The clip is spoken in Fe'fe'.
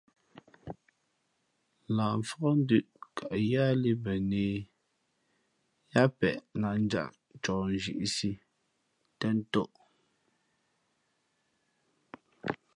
Lah mfák ndʉ̄p kαʼ yáhlēh mbα nehē yáá peʼ nah njáʼ coh nzhīʼsī tᾱ ntōʼ.